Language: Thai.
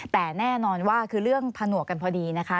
แต่แน่นอนว่าคือเรื่องผนวกกันพอดีนะคะ